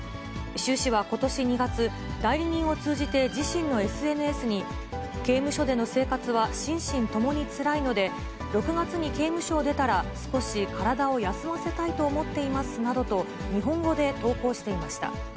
周氏はことし２月、代理人を通じて自身のＳＮＳに、刑務所での生活は心身ともにつらいので、６月に刑務所を出たら、少し体を休ませたいと思っていますなどと、日本語で投稿していました。